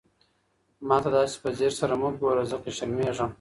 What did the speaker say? ما ته داسې په ځير سره مه ګوره، ځکه شرمېږم.